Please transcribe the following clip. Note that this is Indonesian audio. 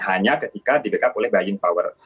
hanya ketika di backup oleh buying power